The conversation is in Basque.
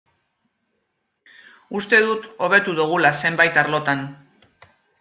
Uste dut hobetu dugula zenbait arlotan.